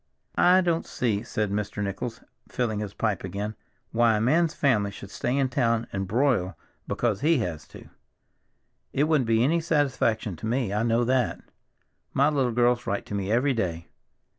"I don't see," said Mr. Nichols, filling his pipe again, "why a man's family should stay in town and broil because he has to. It wouldn't be any satisfaction to me, I know that. My little girls write to me every day."